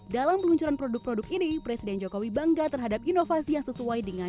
dalam peluncuran produk produk ini presiden jokowi bangga terhadap inovasi yang sesuai dengan